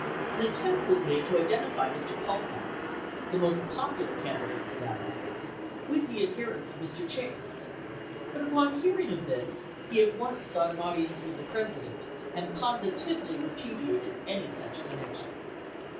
An attempt was made to identify Mr. Colfax, the most popular can didate for that office, with the adherents of Mr. Chase ; but upon hearing of this he at once sought an audience with the President, and positively repudiated any such connection.